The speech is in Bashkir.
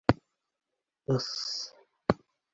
— Ы-ҫ-ҫ!